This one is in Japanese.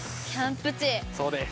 そうです。